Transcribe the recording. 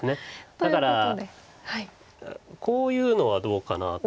だからこういうのはどうかなとか。